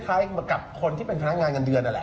กับคนที่เป็นพนักงานเงินเดือนนั่นแหละ